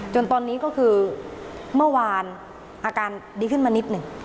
จนตอนนี้ก็คือเมื่อวานอาการดีขึ้นมานิดหนึ่ง